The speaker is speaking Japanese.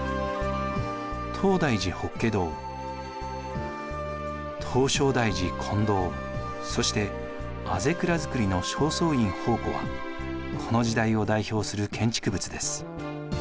東大寺法華堂唐招提寺金堂そして校倉造の正倉院宝庫はこの時代を代表する建築物です。